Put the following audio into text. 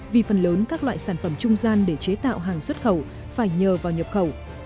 vì phần lớn các loại sản phẩm trung gian để chế tạo hàng xuất khẩu phải nhờ vào nhập khẩu